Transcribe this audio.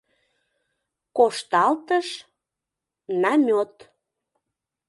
Кошталтыш — намёт.